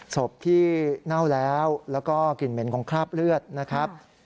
ศพที่เน่าแล้วแล้วก็กลิ่นเหม็นของคราบเลือดนะครับ